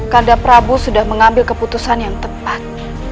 kanda prabu sudah mengambil keputusan yang tepat